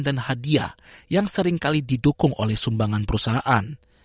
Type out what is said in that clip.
dan hadiah yang seringkali didukung oleh sumbangan perusahaan